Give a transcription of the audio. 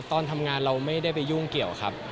ตอนทำงานเราไม่ได้ไปยุ่งเกี่ยวครับ